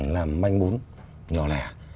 làm manh bún nhỏ lẻ